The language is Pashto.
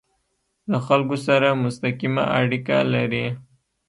له خلکو سره مستقیمه اړیکه لري.